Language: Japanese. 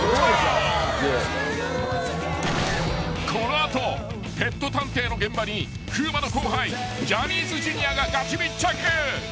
［この後ペット探偵の現場に風磨の後輩ジャニーズＪｒ．ががち密着］